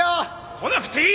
来なくていい！